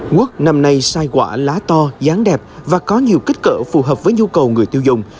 quốc năm nay sai quả lá to dáng đẹp và có nhiều kích cỡ phù hợp với nhu cầu người tiêu dùng